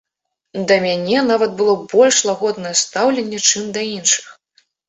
Да мяне нават было больш лагоднае стаўленне, чым да іншых.